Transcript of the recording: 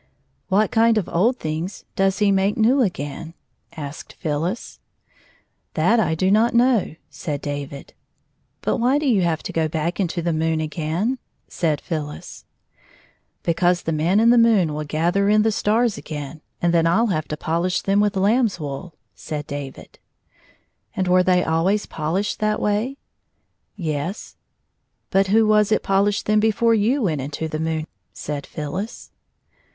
" What kind of old things does he make new again 1 " asked PhyUis. '' That I do not know," said David. " But why do you have to go back into the moon again ?" said PhylUs. "Because the Man in the moon will gather in ^7 the stars again^ and then I '11 have to polish them with lamb's wool," said David. " And were they always polished that way ?"" Yes," "But who was it polished them before you went into the moon ?" said Phyllis.